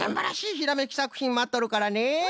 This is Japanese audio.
ひらめきさくひんまっとるからね。